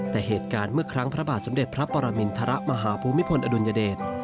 แต่เหตุการณ์เมื่อครั้งพระบาทสมเด็จพระปรมินทรมาหาภูมิพลอดุลยเดช